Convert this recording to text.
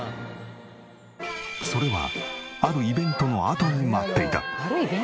それはあるイベントのあとに待っていた。